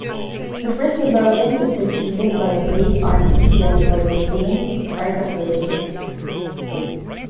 The first rebellion was defeated by a great army led by the same Artaxerxes.